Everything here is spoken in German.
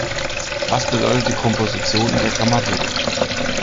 Was bedeutet die Komposition in der Grammatik?